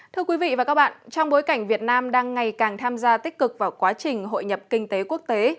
thưa quý vị và các bạn trong bối cảnh việt nam đang ngày càng tham gia tích cực vào quá trình hội nhập kinh tế quốc tế